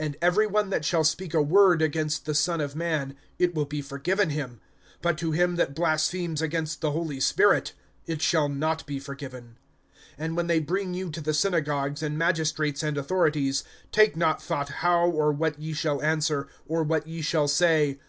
(10)And every one that shall speak a word against the Son of man, it will be forgiven him; but to him that blasphemes against the Holy Spirit, it shall not be forgiven. (11)And when they bring you to the synagogues, and magistrates, and authorities, take not thought how or what ye shall answer, or what ye shall say.